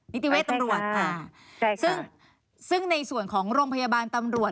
นิติเวชตำรวจอ่าซึ่งซึ่งในส่วนของโรงพยาบาลตำรวจ